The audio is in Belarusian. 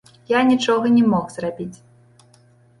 Я нічога не мог зрабіць.